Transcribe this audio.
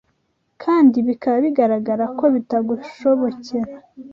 kandi bikaba bigaragara ko bitagushobokera